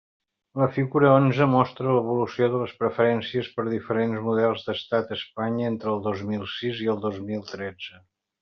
La figura onze mostra l'evolució de les preferències per diferents models d'estat a Espanya entre el dos mil sis i el dos mil tretze.